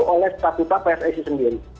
oleh statuta pssi sendiri